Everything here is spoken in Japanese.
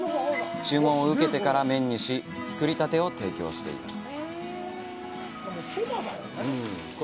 注文を受けてから麺にし、作りたてを提供しています。